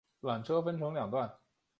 缆车分成两段